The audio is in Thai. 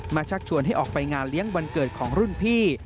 ชักชวนให้ออกไปงานเลี้ยงวันเกิดของรุ่นพี่